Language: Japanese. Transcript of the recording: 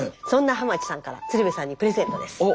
そんな浜地さんから鶴瓶さんにプレゼントです。